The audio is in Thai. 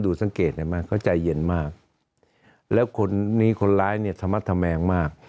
ได้มาเขาก็ใจเย็นมากแล้วคนนี้คนร้ายเนี่ยธามาจแถมแหงมาก